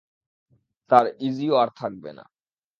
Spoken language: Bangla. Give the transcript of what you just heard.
তার ইযিও আর থাকবে না।